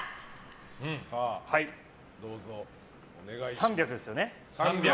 ３００ですよね。